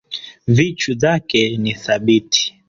Vichu dhake ni thabiti